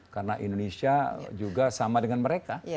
karena indonesia juga sama dengan mereka